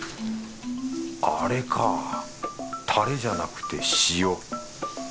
あれかタレじゃなくて塩。